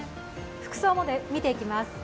服装も見ていきます。